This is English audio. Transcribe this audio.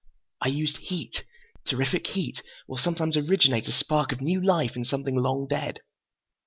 "I used heat. Terrific heat will sometimes originate a spark of new life in something long dead.